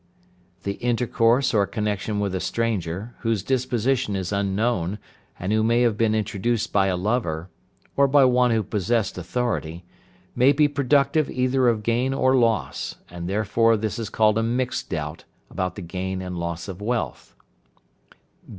The intercourse or connection with a stranger, whose disposition is unknown, and who may have been introduced by a lover, or by one who possessed authority, may be productive either of gain or loss, and therefore this is called a mixed doubt about the gain and loss of wealth.